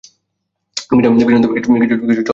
বিনয়, কিছু জলখাবার আনতে বলে দিই– কী বল?